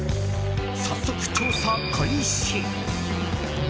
早速、調査開始。